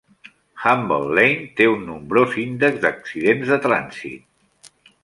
Hamble Lane té un nombrós índex d'accidents de trànsit.